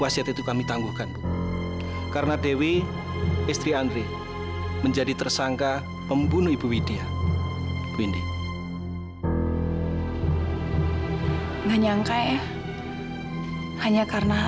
sampai jumpa di video selanjutnya